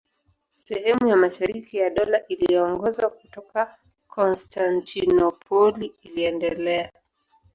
Sehemu ya mashariki ya Dola iliyoongozwa kutoka Konstantinopoli iliendelea.